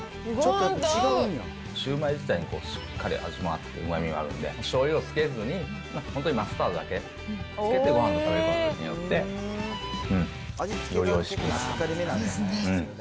シュウマイ自体にしっかり味もあって、うまみがあるので、しょうゆをつけずに、本当にマスタードだけつけてごはんと食べることによって、うん、ですね。